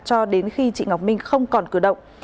cho đến khi chị ngọc minh không còn cử động